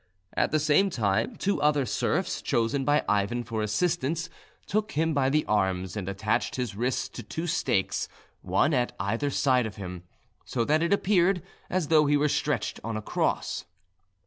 At the same time two other serfs, chosen by Ivan for assistants, took him by the arms and attached his wrists to two stakes, one at either side of him, so that it appeared as though he were stretched on a cross.